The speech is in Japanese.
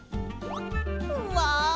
うわ！